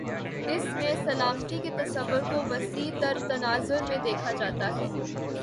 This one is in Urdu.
اس میں سلامتی کے تصور کو وسیع تر تناظر میں دیکھا جاتا ہے۔